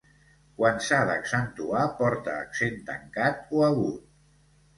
Quan s'ha d'accentuar porta accent tancat o agut.